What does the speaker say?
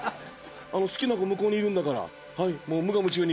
好きな子向こうにいるんだからもう無我夢中に。